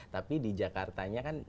tapi di jakartanya kan